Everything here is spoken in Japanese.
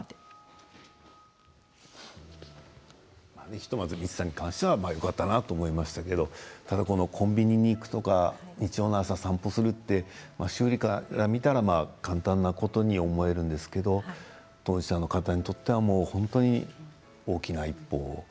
ひとまずみちさんに関してはよかったなと思いましたけれどもコンビニに行くとか日曜日の朝、散歩に行く周囲から見たら簡単なことのように思えるんですけれども当事者の方にとっては大きな一歩。